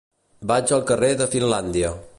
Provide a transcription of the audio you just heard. Vaig al carrer de Finlàndia.